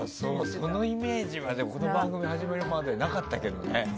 そのイメージはこの番組が始まるまでなかったけどね。